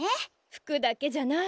服だけじゃない。